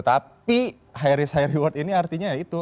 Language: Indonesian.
tapi high risk high reward ini artinya ya itu